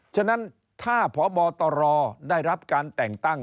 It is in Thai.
ฉะนั้นถ้าพบตรได้รับการแต่งตั้ง